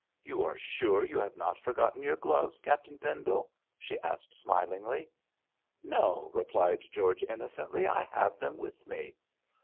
'You are sure you have not forgotten your gloves, Captain Pendle?' she asked smilingly. 'No,' replied George, innocently, 'I have them with me.'